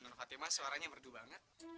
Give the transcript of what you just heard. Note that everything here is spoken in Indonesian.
nona fatimah suaranya merdu banget